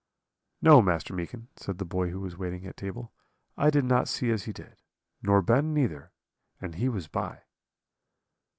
"'No, Master Meekin,' said the boy who was waiting at table, 'I did not see as he did; nor Ben neither, and he was by.'